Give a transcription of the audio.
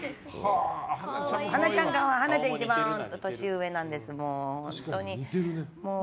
はなちゃん、一番年上なんです。